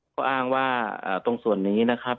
ก็อ้างว่าตรงส่วนนี้นะครับ